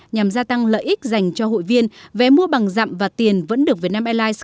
nhằm gia tăng lợi ích dành cho hội viên vé mua bằng dặm và tiền vẫn được vietnam airlines